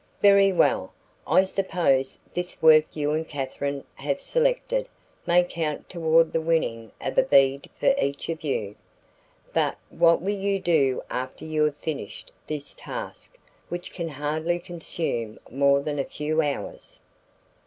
"Very well. I suppose this work you and Katherine have selected may count toward the winning of a bead for each of you. But what will you do after you have finished this task, which can hardly consume more than a few hours?"